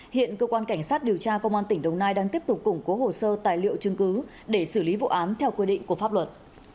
hiện cơ quan cảnh sát điều tra công an tỉnh đồng nai đang tiếp tục củng cố hồ sơ tài liệu chứng cứ để xử lý vụ án theo quy định của pháp luật